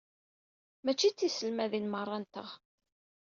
Mačči d tiselmadin merra-nteɣ.